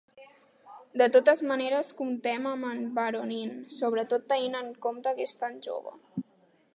De totes maneres, comptem amb en Voronin, sobretot tenint en compte que és tan jove.